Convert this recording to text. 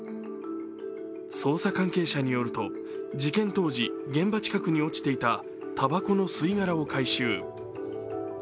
捜査関係者によると、事件当時現場近くに落ちていたたばこの吸い殻を回収。